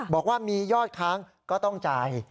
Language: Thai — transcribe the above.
บอกว่ามียอดค้างก็ต้องจ่าย